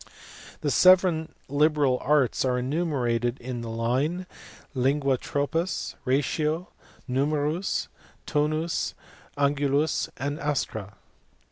The seven liberal arts are enumerated in the line, Lingua, tropuSj ratio; numerus, tonus, angulus, astra.